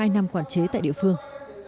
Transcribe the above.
hai năm quản chế tại địa phương